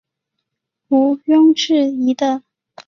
无庸置疑的